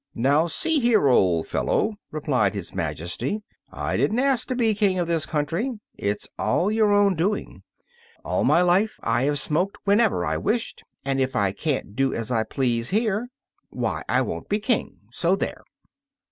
"Now, see here, old fellow," replied his Majesty, "I didn't ask to be King of this country; it's all your own doing. All my life I have smoked whenever I wished, and if I can't do as I please here, why, I won't be king so there!"